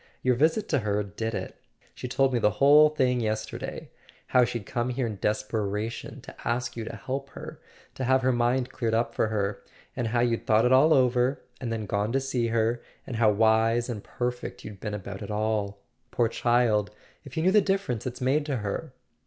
Your visit to her did it. She told me the whole thing yesterday. How she'd come here in desperation, to ask you to help her, to have her mind cleared up for her; and how you'd thought it all over, and then gone to see her, and how wise and perfect you'd been about it all. Poor child— if you knew the difference it's made to her!"